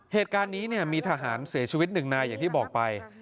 เหตุการณ์นี้มีทหารเสียชีวิตหนึ่งนายอย่างที่บอกไป